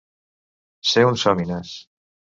Ser un sòmines.